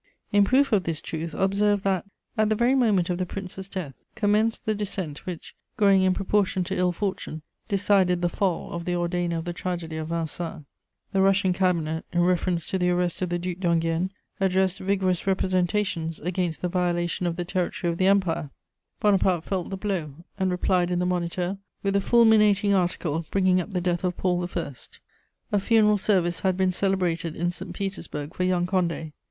In proof of this truth, observe that, at the very moment of the Prince's death, commenced the dissent which, growing in proportion to ill fortune, decided the fall of the ordainer of the tragedy of Vincennes. The Russian Cabinet, in reference to the arrest of the Duc d'Enghien, addressed vigorous representantions against the violation of the territory of the Empire: Bonaparte felt the blow, and replied in the Moniteur with a fulminating article bringing up the death of Paul I. A funeral service had been celebrated in St. Petersburg for young Condé.